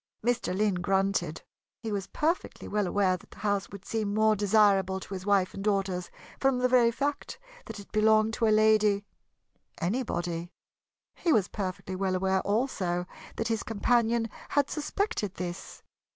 Mr. Lynn grunted. He was perfectly well aware that the house would seem more desirable to his wife and daughters from the very fact that it belonged to a "Lady" anybody. He was perfectly well aware, also, that his companion had suspected this.